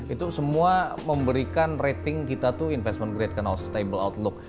itu semua memberikan rating kita tuh investment grade kan outstable outlook